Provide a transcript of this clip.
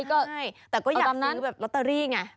ใช่แต่ก็อยากซื้อแบบลอตเตอรี่ไง